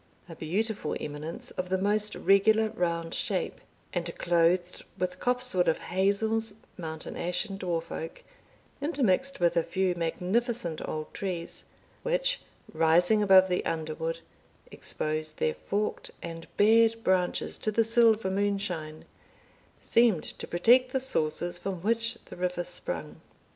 A beautiful eminence of the most regular round shape, and clothed with copsewood of hazels, mountain ash, and dwarf oak, intermixed with a few magnificent old trees, which, rising above the underwood, exposed their forked and bared branches to the silver moonshine, seemed to protect the sources from which the river sprung.